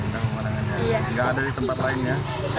tidak ada di tempat lainnya